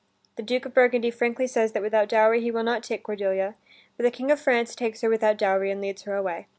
The Duke of Burgundy frankly says that without dowry he will not take Cordelia, but the King of France takes her without dowry and leads her away.